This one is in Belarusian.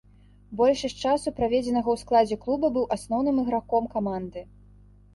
Большасць часу, праведзенага ў складзе клуба быў асноўным іграком каманды.